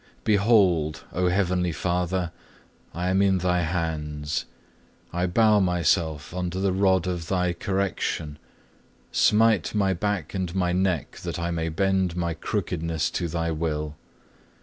6. Behold, O beloved Father, I am in Thy hands, I bow myself under the rod of Thy correction. Smite my back and my neck that I may bend my crookedness to Thy will.